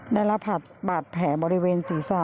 ได้รับบาดแผลบริเวณศีรษะ